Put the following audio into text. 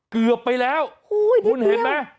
เกือบไปแล้วคุณเห็นไหม